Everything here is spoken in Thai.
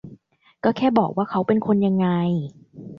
ก็แค่บอกว่าเขาเป็นคนยังไง